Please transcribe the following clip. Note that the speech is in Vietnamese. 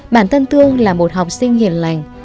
bản thân thương là một học sinh hiền lành